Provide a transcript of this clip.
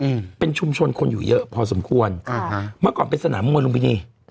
อืมเป็นชุมชนคนอยู่เยอะพอสมควรอ่าฮะเมื่อก่อนเป็นสนามมวยลุมพินี